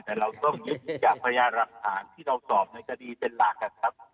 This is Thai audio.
แต่เราต้องยึดจากพยานหลักฐานที่เราสอบในคดีเป็นหลักนะครับ